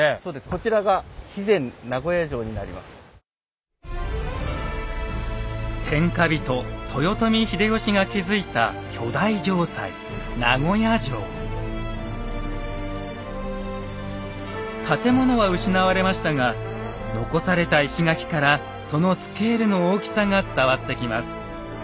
こちらが天下人・豊臣秀吉が築いた巨大城塞建物は失われましたが残された石垣からそのスケールの大きさが伝わってきます。